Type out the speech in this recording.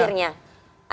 bukan bukan maksud aku ya